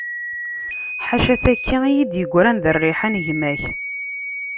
Ḥaca taki i yi-d-yegran d rriḥa n gma-k.